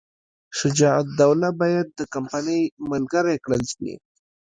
شجاع الدوله باید د کمپنۍ ملګری کړل شي.